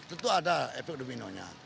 tentu ada epic dominonya